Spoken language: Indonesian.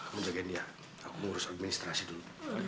kamu jagain dia aku ngurus administrasi dulu